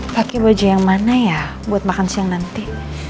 pakai baju yang mana ya buat makan siang nanti